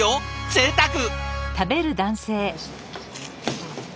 ぜいたく！